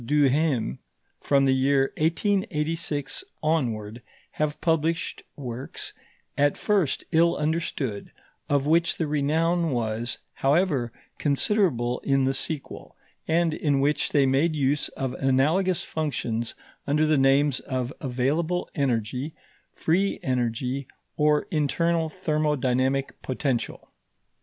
Duhem, from the year 1886 onward, have published works, at first ill understood, of which the renown was, however, considerable in the sequel, and in which they made use of analogous functions under the names of available energy, free energy, or internal thermodynamic potential.